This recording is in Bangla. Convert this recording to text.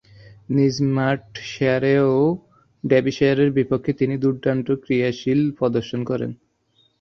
নিজ মাঠে সারে ও ডার্বিশায়ারের বিপক্ষে তিনি দূর্দান্ত ক্রীড়াশৈলী প্রদর্শন করেছিলেন।